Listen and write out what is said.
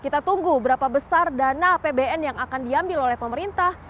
kita tunggu berapa besar dana apbn yang akan diambil oleh pemerintah